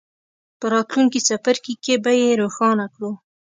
په راتلونکي څپرکي کې به یې روښانه کړو.